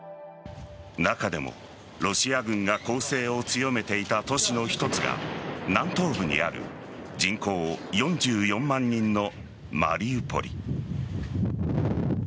中でもロシア軍が攻勢を強めていた都市の一つが南東部にある人口４４万人のマリウポリ。